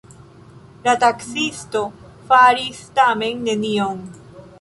La taksiisto faris tamen nenion.